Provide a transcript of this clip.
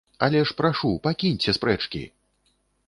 Але ж прашу, пакіньце спрэчкі.